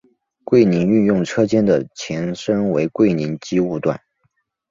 桂林运用车间的前身为桂林机务段。